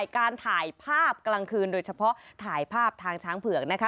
การถ่ายภาพกลางคืนโดยเฉพาะถ่ายภาพทางช้างเผือกนะคะ